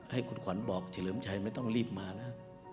ให้คุณขวัญบอกเฉลิมชัยไม่ต้องรีบมานะ